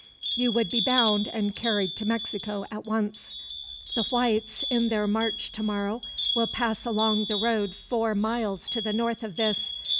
You would be bound and carried to Mexico, at once. "The whites, in their march tomorrow, will pass along the road four miles to the north of this.